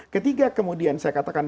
ketiga kemudian saya katakan